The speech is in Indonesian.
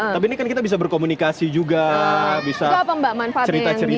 tapi ini kan kita bisa berkomunikasi juga bisa cerita cerita